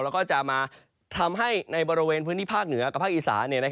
แล้วก็จะมาทำให้ในบริเวณพื้นที่ภาคเหนือกับภาคอีสาน